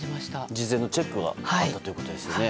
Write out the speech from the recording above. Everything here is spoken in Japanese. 事前のチェックがあるということですね。